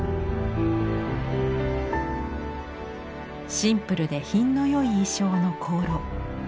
シンプルで品の良い意匠の香炉。